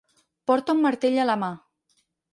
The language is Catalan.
Porta un martell a la mà.